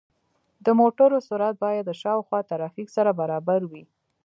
د موټرو سرعت باید د شاوخوا ترافیک سره برابر وي.